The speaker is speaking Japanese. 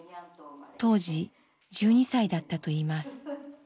当時１２歳だったといいます。